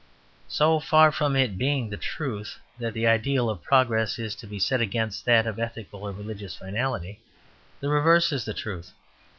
So far from it being the truth that the ideal of progress is to be set against that of ethical or religious finality, the reverse is the truth.